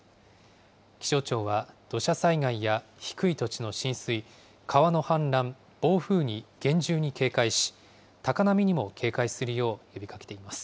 気象庁は土砂災害や低い土地の浸水、川の氾濫、暴風に厳重に警戒し、高波にも警戒するよう呼びかけています。